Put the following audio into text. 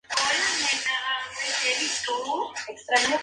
Además ganó el premio al mejor jugador de la final de vuelta del torneo.